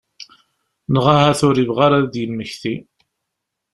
Neɣ ahat ur yebɣi ara ad d-yemmekti.